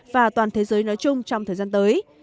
và toàn thế giới nói chung trong thời gian tới